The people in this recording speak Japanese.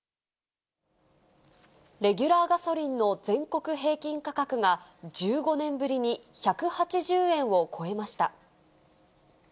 レギュラーガソリンの全国平均価格が、１５年ぶりに１８０円を超えました。